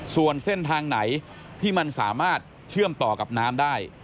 ส่วนเส้นทางไหนที่มันสามารถเชื่อมต่อกับน้ำได้